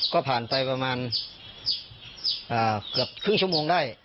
ก็ผ่านไปประมาณเกือบครึ่งชั่วโมงได้